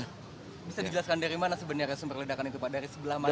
bisa dijelaskan dari mana sebenarnya sumber ledakan itu pak